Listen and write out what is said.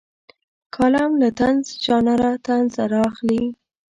کالم له طنز ژانره طنز رااخلي.